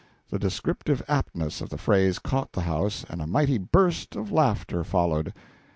The descriptive aptness of the phrase caught the house, and a mighty burst of laughter followed.